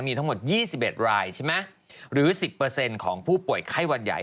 มีทั้งหมด๒๑รายใช่ไหมหรือ๑๐ของผู้ป่วยไข้วันใหญ่